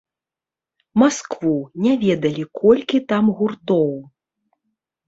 Маскву, не ведалі, колькі там гуртоў.